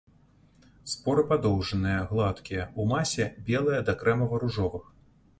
Споры падоўжаныя, гладкія, у масе белыя да крэмава-ружовых.